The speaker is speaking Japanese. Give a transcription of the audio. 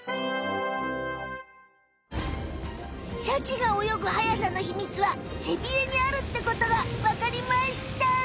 シャチが泳ぐ速さの秘密は背ビレにあるってことがわかりました！